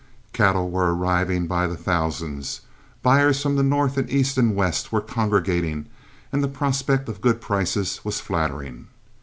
Cattle were arriving by the thousands, buyers from the north, east, and west were congregating, and the prospect of good prices was flattering.